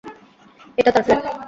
এটা তার ফ্ল্যাট!